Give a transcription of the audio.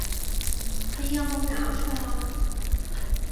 你有無攪錯呀！